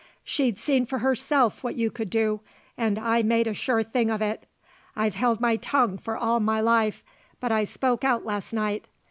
She'd seen for herself what you could do, and I made a sure thing of it. I've held my tongue for all my life, but I spoke out last night.